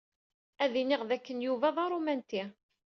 Ad iniɣ d akken Yuba aṛumanti.